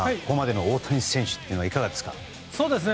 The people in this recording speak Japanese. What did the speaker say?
ここまでの大谷選手はいかがですか？